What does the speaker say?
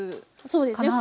そうですね。